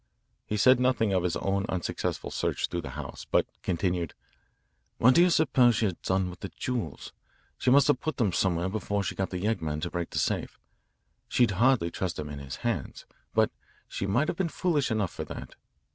He said nothing of his own unsuccessful search through the house, but continued: "What do you suppose she has done with the jewels? She must have put them somewhere before she got the yeggman to break the safe. She'd hardly trust them in his hands. But she might have been foolish enough for that.